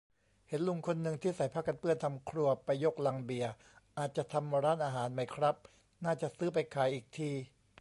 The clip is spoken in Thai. เห็นลุงคนนึงที่ใส่ผ้ากันเปื้อนทำครัวไปยกลังเบียร์ อาจจะทำร้านอาหารไหมครับ น่าจะซื้อไปขายอีกที